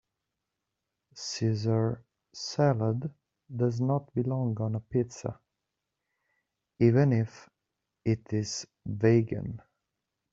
Caesar salad does not belong on a pizza even if it is vegan.